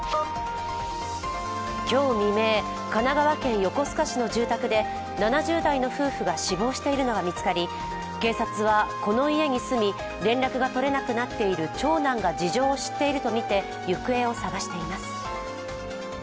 今日未明、神奈川県横須賀市の住宅で７０代の夫婦が死亡しているのが見つかり、警察は、この家に住み、連絡が取れなくなっている長男が事情を知っているとみて、行方を捜しています。